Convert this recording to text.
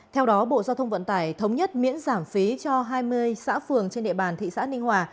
theo đó bộ giao thông vận tải thống nhất miễn giảm phí cho hai mươi xã phường trên địa bàn thị xã ninh hòa